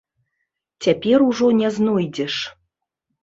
Цяпер ужо не знойдзеш.